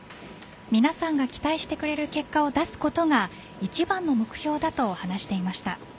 皆さんが期待してくれる結果を出すことが一番の目標だと話していました。